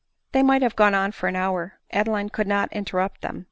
They, might have gone on for an hour — Adeline could not interrupt them..